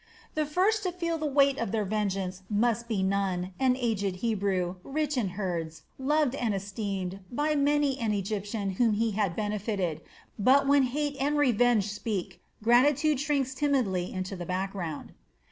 The first to feel the weight of their vengeance must be Nun, an aged Hebrew, rich in herds, loved and esteemed by many an Egyptian whom he had benefitted but when hate and revenge speak, gratitude shrinks timidly into the background.